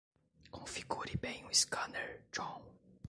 Configure bem o scanner, John.